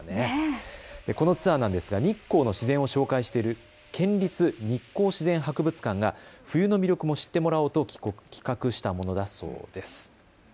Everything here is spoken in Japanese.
このツアー、日光の自然を紹介している県立日光自然博物館が冬の魅力も知ってもらおうと企画したものだそうです。